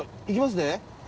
いきますよ。